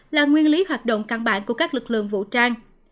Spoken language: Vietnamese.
là nguyên lý hoạt động căn bản của các lực lượng vũ trang